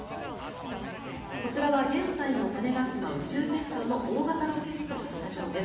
こちらは現在の種子島宇宙センターの大型ロケット発射場です。